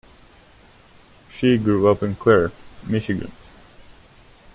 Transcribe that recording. She grew up in Clare, Michigan.